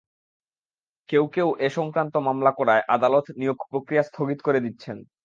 কেউ কেউ এ সংক্রান্ত মামলা করায় আদালত নিয়োগপ্রক্রিয়া স্থগিত করে দিচ্ছেন।